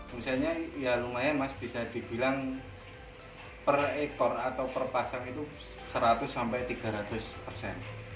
misalnya lumayan bisa dibilang per ektor atau per pasang itu seratus tiga ratus persen